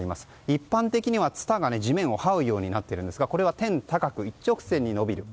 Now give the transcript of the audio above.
一般的にはツタが地面をはうようになっているんですがこれは天高く一直線に伸びる。